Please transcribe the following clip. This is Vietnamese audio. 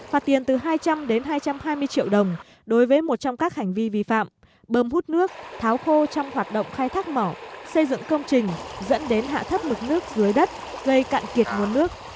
phạt tiền từ hai trăm linh đến hai trăm hai mươi triệu đồng đối với một trong các hành vi vi phạm bơm hút nước tháo khô trong hoạt động khai thác mỏ xây dựng công trình dẫn đến hạ thấp mực nước dưới đất gây cạn kiệt nguồn nước